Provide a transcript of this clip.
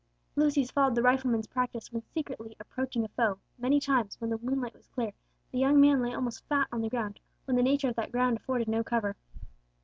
Lucius followed the rifleman's practice when secretly approaching a foe: many times, when the moonlight was clear, the young man lay almost flat on the ground, when the nature of that ground afforded no cover.